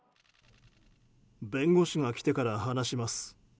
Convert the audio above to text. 弁護士が来てから話します。